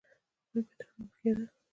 هغوی به تښتول کېده